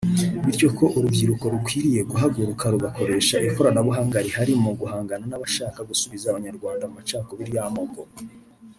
bityo ko urubyiruko rukwiriye guhaguruka rugakoresha ikoranabuhanga rihari mu guhangana n’abashaka gusubiza Abanyarwanda mu macakubiri y’amoko